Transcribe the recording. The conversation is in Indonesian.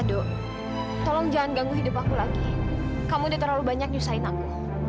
dok tolong jangan ganggu hidup aku lagi kamu udah terlalu banyak nyusahin aku